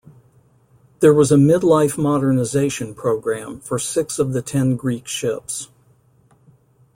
There was a midlife modernization programme for six of the ten Greek ships.